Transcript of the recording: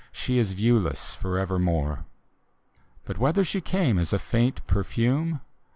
She is viewless forevermore. But whether she came as a faint perfume.